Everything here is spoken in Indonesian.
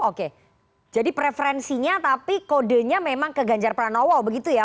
oke jadi preferensinya tapi kodenya memang ke ganjar pranowo begitu ya